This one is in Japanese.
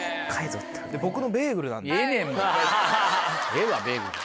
ええわベーグル。